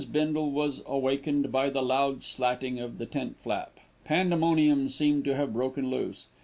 Bindle was awakened by the loud slatting of the tent flap. Pandemonium seemed to have broken loose.